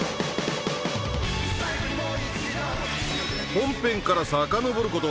本編からさかのぼること